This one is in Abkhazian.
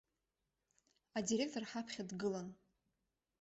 Адиректор ҳаԥхьа дгылан.